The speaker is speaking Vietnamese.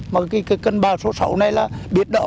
mà cái cơn bão số sáu này là biết đó